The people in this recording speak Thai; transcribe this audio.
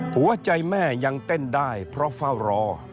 หัวใจแม่ยังเต้นได้เพราะเฝ้ารอ